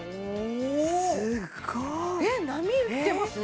すっごい波打ってますね